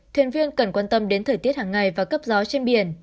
thuyền viên cần quan tâm đến thời tiết hàng ngày và cấp gió trên biển